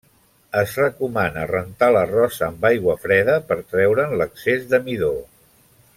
Es recomana rentar l'arròs amb aigua freda per treure'n l'excés de midó.